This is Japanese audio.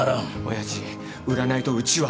親父売らないとうちは。